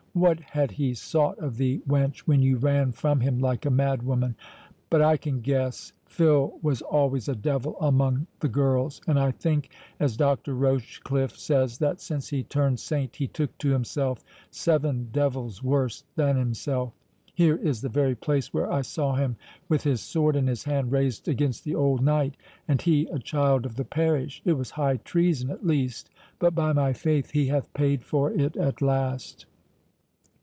What had he sought of thee, wench, when you ran from him like a madwoman?—But I can guess—Phil was always a devil among the girls, and I think, as Doctor Rochecliffe says, that, since he turned saint, he took to himself seven devils worse than himself.—Here is the very place where I saw him, with his sword in his hand raised against the old knight, and he a child of the parish—it was high treason at least—but, by my faith, he hath paid for it at last."